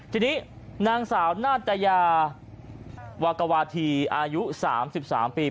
ทีนี้นางสาวนาตยาวากวาธีอายุ๓๓ปี